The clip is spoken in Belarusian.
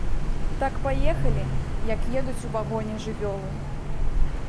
Так паехалі, як едуць у вагоне жывёлы.